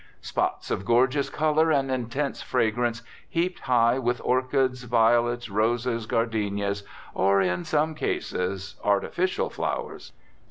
Spots of gorgeous colour and intense fragrance, heaped high with orchids, violets, roses, gardenias, or, in some cases, "artificial flowers."